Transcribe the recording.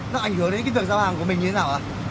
nó ảnh hưởng đến dựng giao hàng của mình như thế nào ạ